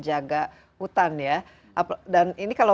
maaf terima kasih